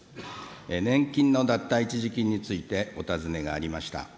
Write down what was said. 年金の脱退一時金についてお尋ねがありました。